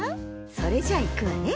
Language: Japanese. それじゃいくわね。